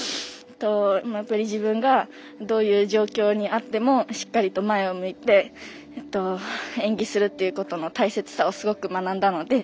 やっぱり自分がどういう状況にあってもしっかりと前を向いて演技するっていうことの大切さをすごく学んだので。